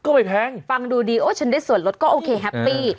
ไม่แพงฟังดูดีโอ้ฉันได้ส่วนลดก็โอเคแฮปปี้